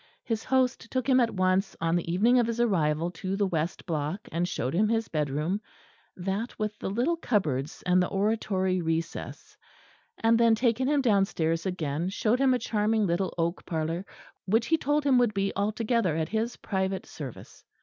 His host took him at once on the evening of his arrival to the west block, and showed him his bedroom that with the little cupboards and the oratory recess; and then, taking him downstairs again, showed him a charming little oak parlour, which he told him would be altogether at his private service.